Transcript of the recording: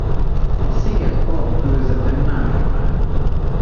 A sziget alapkőzete márvány.